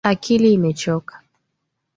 Akili imechoka